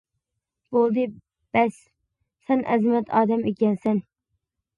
-بولدى، بەس، سەن ئەزىمەت ئادەم ئىكەنسەن!